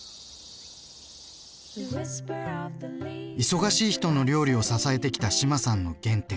忙しい人の料理を支えてきた志麻さんの原点。